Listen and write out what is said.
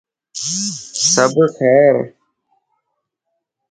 سڀ خير؟